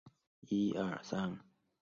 艾希莉顿时霉运当头。